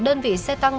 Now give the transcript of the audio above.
đơn vị xe tăng